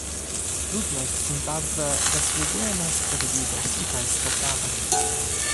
Ludność Zimbabwe zasługuje na sprawiedliwość i państwo prawa